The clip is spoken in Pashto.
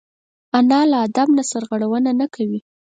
انا له ادب نه سرغړونه نه کوي